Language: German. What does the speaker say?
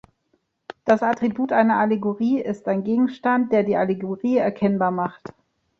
Das Attribut einer Allegorie ist ein Gegenstand, der die Allegorie erkennbar macht.